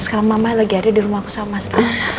sekarang mama lagi ada di rumahku sama mas al